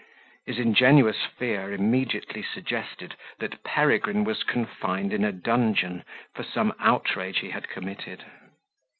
His ingenuous fear immediately suggested, that Peregrine was confined in a dungeon, for some outrage he had committed.